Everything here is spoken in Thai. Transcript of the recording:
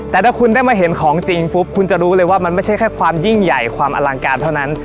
แต่ถ้าคุณได้มาเห็นของจริงปุ๊บคุณจะรู้เลยว่ามันไม่ใช่แค่ความยิ่งใหญ่ความอลังการเท่านั้น